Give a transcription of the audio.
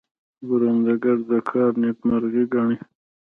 کروندګر د کار نیکمرغي ګڼي